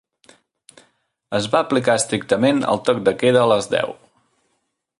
Es va aplicar estrictament el toc de queda a les deu.